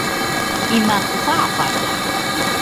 imakɨ fafaga